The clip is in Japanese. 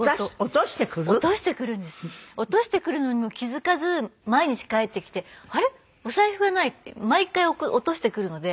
落としてくるのにも気付かず毎日帰ってきて「あれ？お財布がない」って毎回落としてくるので。